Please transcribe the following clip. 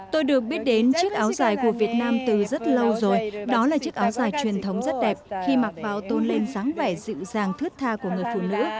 tôi được biết đến chiếc áo dài của việt nam từ rất lâu rồi đó là chiếc áo dài truyền thống rất đẹp khi mặc vào tôn lên dáng vẻ dịu dàng thước tha của người phụ nữ